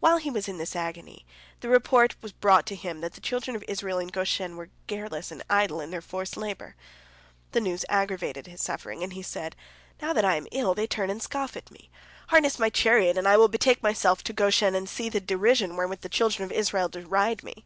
While he was in this agony, the report was brought to him that the children of Israel in Goshen were careless and idle in their forced labor. The news aggravated his suffering, and he said: "Now that I am ill, they turn and scoff at me. Harness my chariot, and I will betake myself to Goshen, and see the derision wherewith the children of Israel deride me."